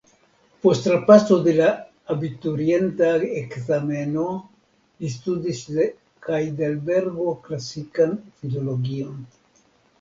Post trapaso de la abiturienta ekzameno li studis je Hajdelbergo klasikan filologion.